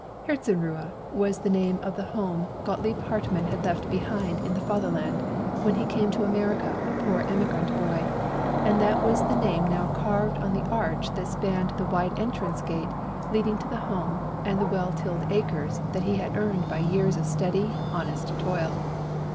"Herzenruhe" was the name of the home Gottlieb Hartmann had left behind him in the Fatherland, when he came to America a poor emigrant boy; and that was the name now carved on the arch that spanned the wide entrance gate, leading to the home and the well tilled acres that he had earned by years of steady, honest toil.